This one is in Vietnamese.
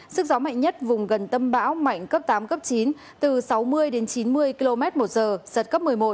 sức gió mạnh nhất vùng gần tâm bão mạnh cấp tám cấp chín từ sáu mươi đến chín mươi km một giờ giật cấp một mươi một